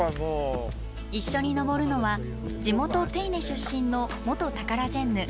一緒に登るのは地元手稲出身の元タカラジェンヌ